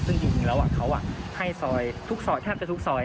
ซึ่งจริงแล้วเขาให้ซอยทุกซอยแทบจะทุกซอย